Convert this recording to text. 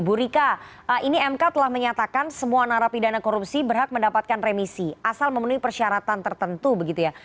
bu rika ini mk telah menyatakan semua narapidana korupsi berhak mendapatkan remisi asal memenuhi persyaratan tertentu begitu ya